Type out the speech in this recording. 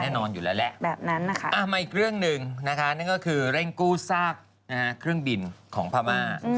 แน่นอนอยู่แล้วแหละอีกเรื่องหนึ่งนะคะนั่นก็คือเร่งกู้ซากเครื่องบินของภามาร